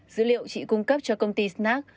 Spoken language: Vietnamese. dữ liệu chị cung cấp cho công ty snack